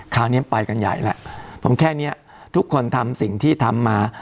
คราวนี้ไปกันใหญ่แล้วผมแค่เนี้ยทุกคนทำสิ่งที่ทำมา